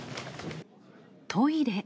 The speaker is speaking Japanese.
トイレ。